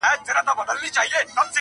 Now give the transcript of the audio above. او ذهنونه بوخت ساتي ډېر ژر.